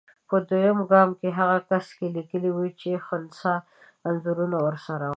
په دویم ګام کې هغه کس کم لیکلي وو چې خنثی انځور ورسره وو.